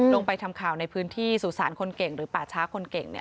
ลงไปทำข่าวในพื้นที่สุสานคนเก่งหรือป่าช้าคนเก่ง